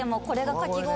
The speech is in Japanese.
かき氷が。